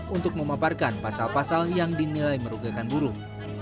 untuk memaparkan pasal pasal yang dinilai merugikan buruh